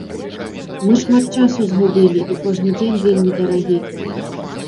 Мы шмат часу згубілі, і кожны дзень вельмі дарагі.